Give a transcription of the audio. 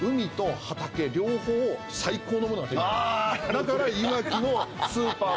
だから。